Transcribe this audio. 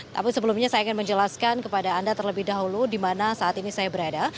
tapi sebelumnya saya ingin menjelaskan kepada anda terlebih dahulu di mana saat ini saya berada